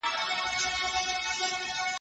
تیمور شاه د احمد شاه ابدالي وخت کي چیرته و؟